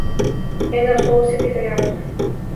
Я дам слово секретариату.